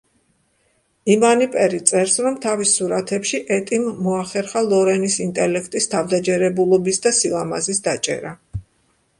იმანი პერი წერს, რომ თავის სურათბში, ეტიმ მოახერხა ლორენის ინტელექტის, თავდაჯერებულობის და სილამაზის დაჭერა.